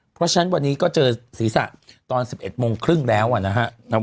เพราะฉะนั้นวันนี้ก็เจอศีรษะตอน๑๑โมงครึ่งแล้วนะฮะ